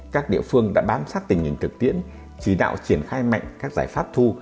các địa phương đã bám sát tình hình thực tiễn chỉ đạo triển khai mạnh các giải pháp thu